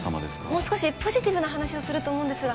もう少しポジティブな話をすると思うんですが。